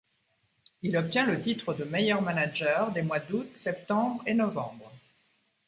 Il obtient le titre de meilleur manager des mois d'août, septembre et novembre.